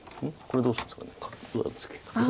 これどうするんですかね。